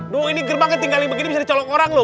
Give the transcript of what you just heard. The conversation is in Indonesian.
duh ini gerbangnya tinggalin begini bisa dicolok orang loh